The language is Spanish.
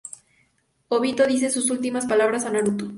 Obito dice sus últimas palabras a Naruto.